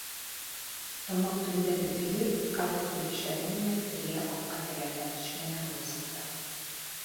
Тамаҡ төбөндәге төйөр картуф өлөштәре менән бергә аҫҡа тәгәрләп төшмәгән булып сыҡты.